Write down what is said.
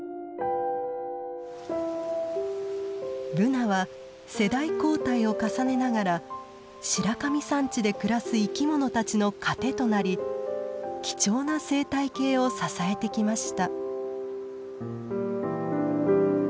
ブナは世代交代を重ねながら白神山地で暮らす生き物たちの糧となり貴重な生態系を支えてきました。